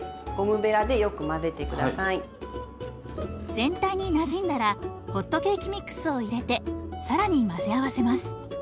全体になじんだらホットケーキミックスを入れて更に混ぜ合わせます。